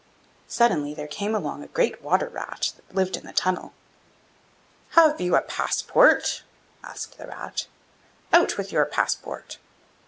Suddenly there came along a great water rat that lived in the tunnel. 'Have you a passport?' asked the rat. 'Out with your passport!